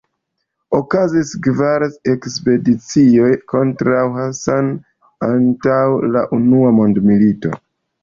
Okazis kvar ekspedicioj kontraŭ Hassan antaŭ la Unua Mondmilito.